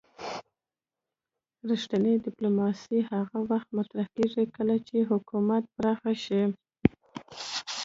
رښتینې ډیپلوماسي هغه وخت مطرح کیږي کله چې حکومت پراخ شي